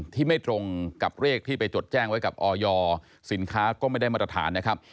ไม่ตรงกับเลขที่ไปจดแจ้งไว้กับออยสินค้าก็ไม่ได้มาตรฐานนะครับ